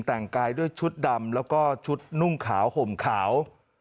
แต่งกายด้วยชุดดำแล้วก็ชุดนุ่งขาวห่มขาว